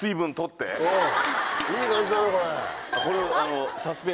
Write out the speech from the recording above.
いい感じだなこれ。